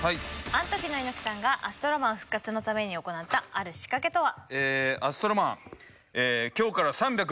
アントキの猪木さんがアストロマン復活のために行ったある仕掛けとは？